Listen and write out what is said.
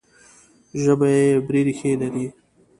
ژبه یې عبري ریښې لري.